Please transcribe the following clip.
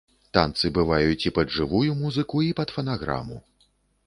Танцы бываюць і пад жывую музыку, і пад фанаграму.